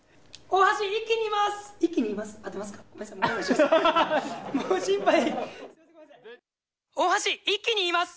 大橋、一気に言います。